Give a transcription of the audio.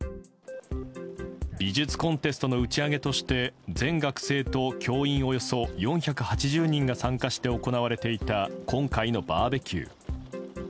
美術コンテストの打ち上げとして全学生と教員およそ４８０人が参加して行われていた今回のバーベキュー。